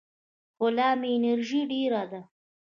خو لا مې انرژي ډېره ده.